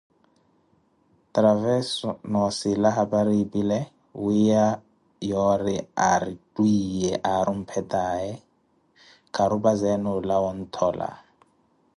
Traveso, noosila hapari epile, wiiya yoori aari twiiye aari ophetanaaye, kharupazeeni olawa onthotola.